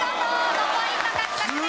５ポイント獲得です。